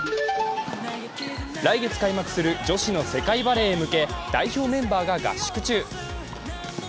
来月開幕する女子の世界バレーへ向け代表メンバーが合宿中。